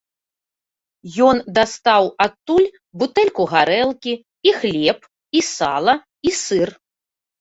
Ён дастаў адтуль бутэльку гарэлкі, і хлеб, і сала, і сыр.